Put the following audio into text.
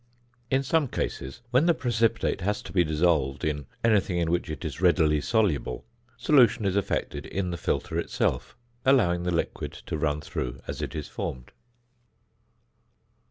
In some cases, when the precipitate has to be dissolved in anything in which it is readily soluble, solution is effected in the filter itself allowing the liquid to run through as it is formed.